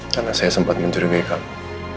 karena saya sempat mencurigai kamu